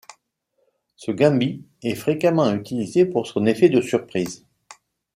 Ce gambit est fréquemment utilisé pour son effet de surprise.